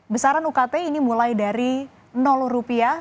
besaran ukt ini mulai dari rupiah